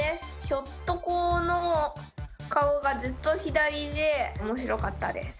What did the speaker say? ひょっとこの顔がずっと左で面白かったです。